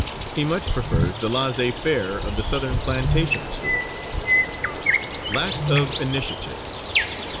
He much prefers the laissez faire of the Southern plantation store. _Lack of Initiative.